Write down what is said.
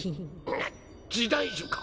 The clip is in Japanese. む時代樹か！？